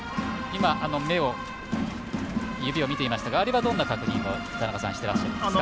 指を見ていましたがあれはどんな確認をしてらっしゃるんですか？